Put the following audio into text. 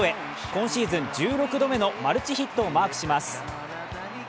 今シーズン１６度目のマルチヒットをマークします。